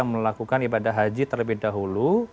melakukan ibadah haji terlebih dahulu